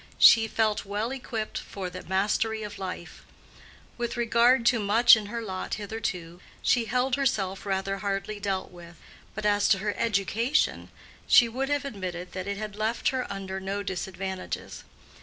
She felt well equipped for the mastery of life. With regard to much in her lot hitherto, she held herself rather hardly dealt with, but as to her "education," she would have admitted that it had left her under no disadvantages.